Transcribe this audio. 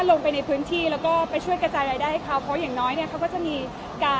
อันนี้มีประยาวเลยค่ะ